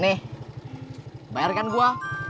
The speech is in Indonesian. nih bayarkan gua